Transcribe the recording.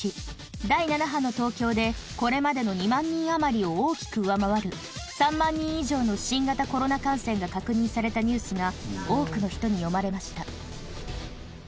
第７波の東京でこれまでの２万人余りを大きく上回る３万人以上の新型コロナ感染が確認されたニュースが多くの人に読まれました